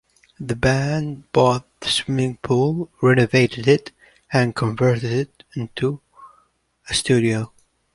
The band bought the swimming pool, renovated it and converted it into a studio.